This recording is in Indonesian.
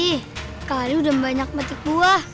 kali kali udah banyak batik buah